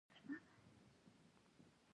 د تور مالګې درملنه هم کېږي.